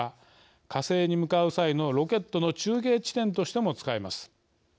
火星に向かう際のロケットの中継地点としても使えます。